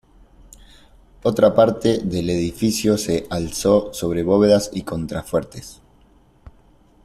Otra parte del edificio se alzó sobre bóvedas y contrafuertes.